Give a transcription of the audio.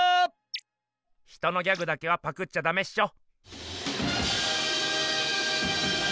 ヒトのギャグだけはパクっちゃダメっしょ。